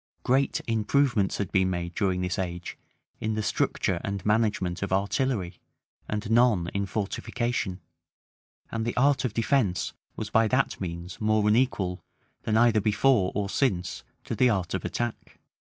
Great improvements had been made during this age in the structure and management of artillery, and none in fortification; and the art of defence was by that means more unequal, than either before or since, to the art of attack.